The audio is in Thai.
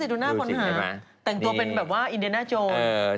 ดูหน้าคนหาแต่งตัวเป็นแบบว่าอินเดียน่าโจร